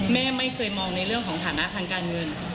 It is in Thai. แม่ไม่เคยมองในเรื่องของฐานะทางการเงิน